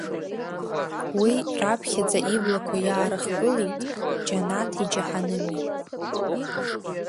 Уи раԥхьаӡа иблақәа иаарыхгылеит џьанаҭи џьаҳаными.